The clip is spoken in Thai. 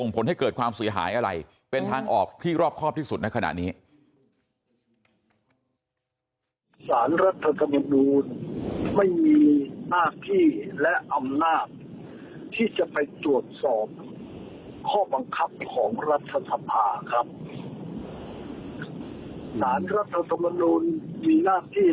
ผลให้เกิดความเสียหายอะไรเป็นทางออกที่รอบครอบที่สุดในขณะนี้